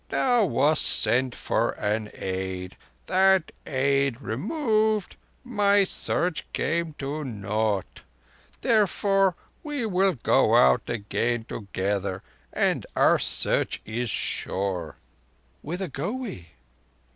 "Thou wast sent for an aid. That aid removed, my Search came to naught. Therefore we will go out again together, and our Search sure." "Whither go we?"